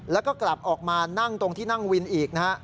แล้วก็กลับออกมานั่งตรงที่นั่งวินอีกนะฮะ